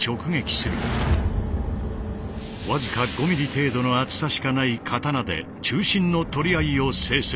わずか５ｍｍ程度の厚さしかない刀で中心の取り合いを制する。